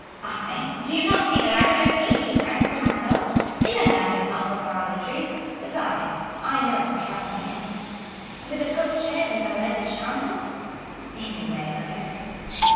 "I? do you not see that I reserve eighty francs for myself? A young man does not require luxuries; besides, I know what travelling is." "With a post chaise and valet de chambre?" "Any way, mother."